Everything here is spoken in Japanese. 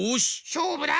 しょうぶだ！